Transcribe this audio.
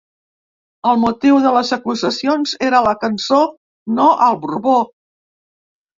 El motiu de les acusacions era la cançó ‘No al Borbó’.